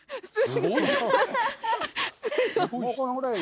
すごい！